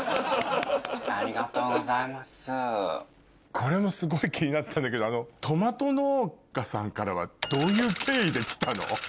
これもすごい気になったんだけどトマト農家さんからはどういう経緯で来たの？